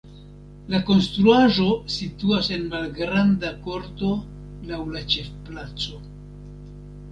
La konstruaĵo situas en malgranda korto laŭ la ĉefplaco.